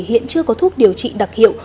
hiện chưa có thuốc điều trị đặc hiệu